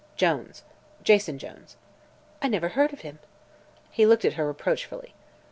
"Jones. Jason Jones." "I never heard of him." He looked at her reproachfully.